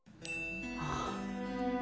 ああ。